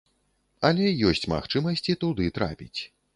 Але ёсць магчымасці туды трапіць.